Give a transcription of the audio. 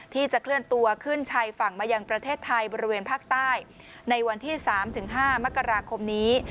ที่จะเคลื่อนตัวขึ้นชายฝั่งมายังประเทศไทยบริเวณภาคใต้ในวันที่๓๕มกราคมนี้